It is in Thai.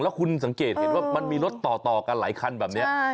แล้วคุณสังเกตเห็นว่ามันมีรถต่อกันหลายคันแบบนี้